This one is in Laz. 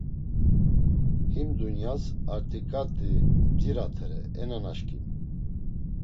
Him dunyas artiǩati bdziratere e nanaşǩimi.